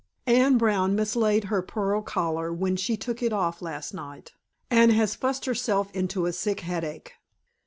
Anne Brown mislaid her pearl collar when she took it off last night, and has fussed herself into a sick headache.